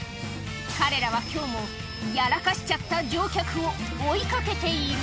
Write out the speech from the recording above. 彼らはきょうも、やらかしちゃった乗客を追いかけている。